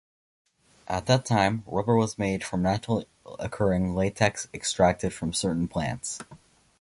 At that time rubber was made from naturally occurring latex extracted from certain plants.